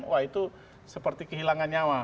wah itu seperti kehilangan nyawa